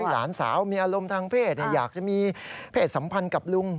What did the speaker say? หลานสาวมีอารมณ์ทางเพศอยากจะมีเพศสัมพันธ์กับลุง